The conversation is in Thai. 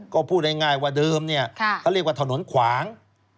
ก็พูดง่ายว่าเดิมเนี่ยเขาเรียกว่าถนนขวาง